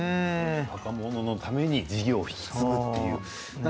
若者のために事業を引き継ぐというね。